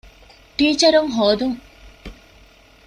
ޓީޗަރުން ހޯދުން